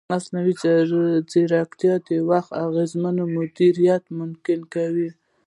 مصنوعي ځیرکتیا د وخت اغېزمن مدیریت ممکن کوي.